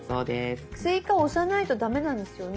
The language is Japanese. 「追加」を押さないと駄目なんですよね？